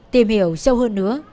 tìm hiểu sâu hơn nữa